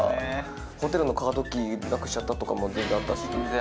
ホテルのカードキーなくしちゃったとかも全然あったし。